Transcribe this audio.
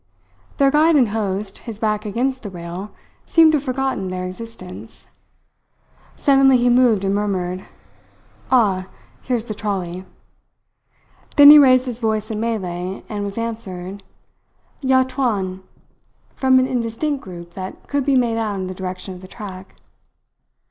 Their guide and host, his back against the rail, seemed to have forgotten their existence. Suddenly he moved, and murmured: "Ah, here's the trolley." Then he raised his voice in Malay, and was answered, "Ya tuan," from an indistinct group that could be made out in the direction of the track.